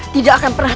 tidak akan pernah